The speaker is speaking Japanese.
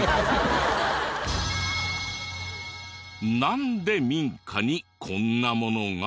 なんで民家にこんなものが？